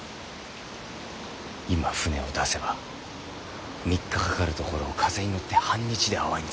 今舟を出せば３日かかるところを風に乗って半日で阿波に着く。